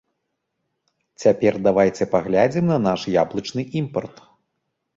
Цяпер давайце паглядзім на наш яблычны імпарт.